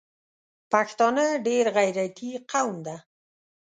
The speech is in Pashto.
پښتانه ډېر غیرتي قوم ده